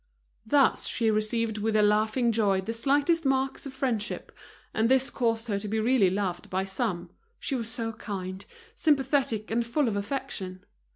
Thus she received with a laughing joy the slightest marks of friendship, and this caused her to be really loved by some, she was so kind, sympathetic, and full of affection.